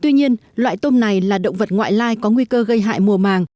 tuy nhiên loại tôm này là động vật ngoại lai có nguy cơ gây hại mùa màng